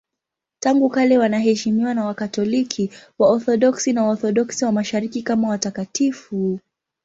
Tangu kale wanaheshimiwa na Wakatoliki, Waorthodoksi na Waorthodoksi wa Mashariki kama watakatifu.